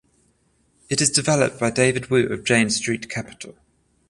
It is developed by David Wu of Jane Street Capital.